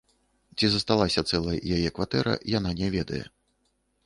Ці засталася цэлай яе кватэра, яна не ведае.